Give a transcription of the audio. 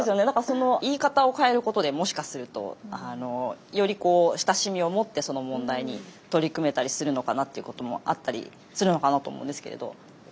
何かその言い方を変えることでもしかするとより親しみをもってその問題に取り組めたりするのかなっていうこともあったりするのかなと思うんですけれど。